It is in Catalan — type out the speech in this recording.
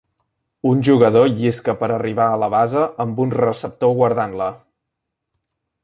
Un jugador llisca per arribar a la base amb un receptor guardant-la